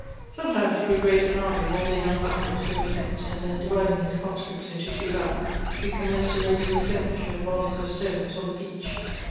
Sometimes, he would raise an army of* all the young idlers whom we met, and then, diyiding his conscripts into two hands, we commenced a re gular skirmish with volleys of stones on the heach.